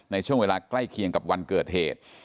ในช่วงเวลาใกล้เคียงกับวันเกิดเหตุ